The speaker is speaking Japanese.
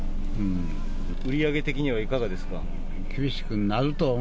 売り上げ的にはいかがですか？